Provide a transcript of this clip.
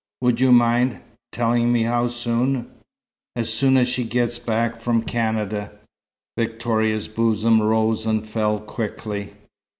"Would you mind telling me how soon?" "As soon as she gets back from Canada." Victoria's bosom rose and fell quickly.